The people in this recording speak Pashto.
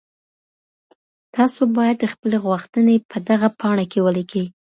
تاسو باید خپلي غوښتني په دغه پاڼې کي ولیکئ.